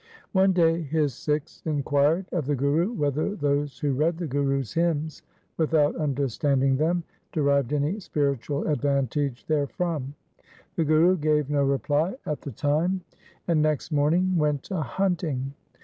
One day his Sikhs inquired of the Guru whether those who read the Gurus' hymns without under standing them derived any spiritual advantage there from. The Guru gave no reply at the time, and next morning went a hunting.